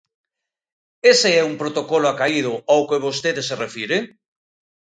¿Ese é un protocolo acaído ao que vostede se refire?